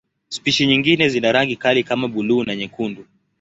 Spishi nyingine zina rangi kali kama buluu na nyekundu.